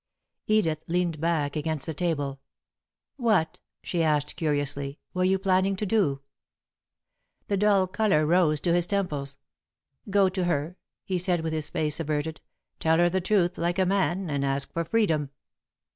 Edith leaned back against the table. "What," she asked, curiously, "were you planning to do?" The dull colour rose to his temples. "Go to her," he said, with his face averted, "tell her the truth like a man, and ask for freedom."